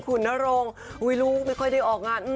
คุณนรงลูกไม่ค่อยได้ออกงาน